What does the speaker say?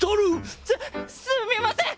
すすみません！